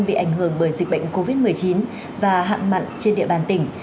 bị ảnh hưởng bởi dịch bệnh covid một mươi chín và hạng mặn trên địa bàn tỉnh